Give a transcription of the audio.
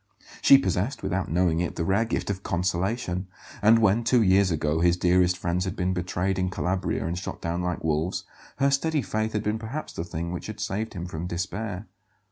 She possessed, without knowing it, the rare gift of consolation; and when, two years ago, his dearest friends had been betrayed in Calabria and shot down like wolves, her steady faith had been perhaps the thing which had saved him from despair.